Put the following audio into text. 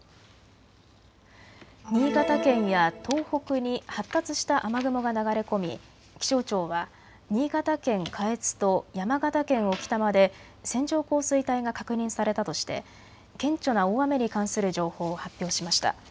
新潟県や東北に発達した雨雲が流れ込み気象庁は新潟県下越と山形県置賜で線状降水帯が確認されたとして顕著な大雨に関する情報を発表しました。